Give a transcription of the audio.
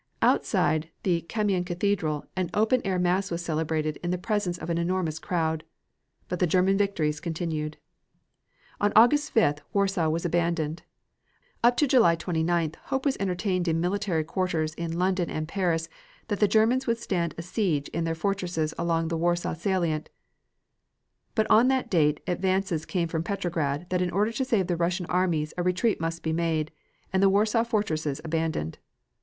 Outside the Kamian Cathedral an open air mass was celebrated in the presence of an enormous crowd. But the German victories continued. On August 5th Warsaw was abandoned. Up to July 29th hope was entertained in military quarters in London and Paris that the Germans would stand a siege in their fortresses along the Warsaw salient, but on that date advices came from Petrograd that in order to save the Russian armies a retreat must be made, and the Warsaw fortresses abandoned.